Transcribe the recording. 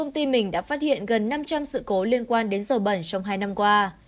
tàu phát hiện gần năm trăm linh sự cố liên quan đến dầu bẩn trong hai năm qua